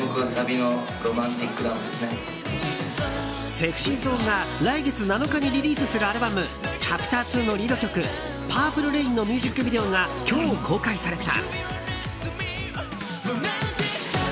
ＳｅｘｙＺｏｎｅが来月７日にリリースするアルバム「Ｃｈａｐｔｅｒ２」のリード曲「ＰｕｒｐｌｅＲａｉｎ」のミュージックビデオが今日公開された。